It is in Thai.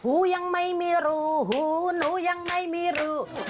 หูยังไม่มีรูหูหนูยังไม่มีรู